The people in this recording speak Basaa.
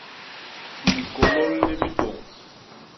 Likôlôl li bitôñ.